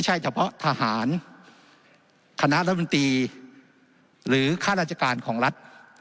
ใช่เฉพาะทหารคณะรัฐมนตรีหรือค่าราชการของรัฐ